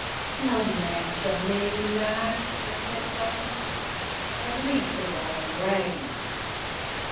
"No man shall name me that," I said, flushing, "and least of all Ragnar."